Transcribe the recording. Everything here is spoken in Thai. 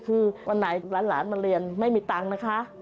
คือวันไหนหลานมาเรียนไม่มีตังค์นะคะ